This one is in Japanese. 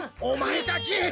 おまえたち。